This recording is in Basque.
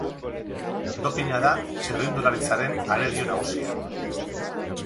Dopina da txirrindularitzaren arerio nagusia.